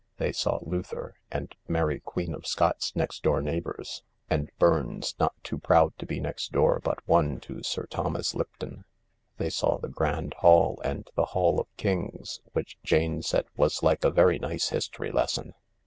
They saw Luther and Mary Queen of Scots next door neighbours, and Burns not too proud to be next door but one to Sir Thomas Lipton. They saw the Grand Hall and the Hall of Kings, which Jane said was like a very nice history lesson.